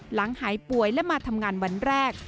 หายป่วยและมาทำงานวันแรก